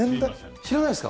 知らないですか？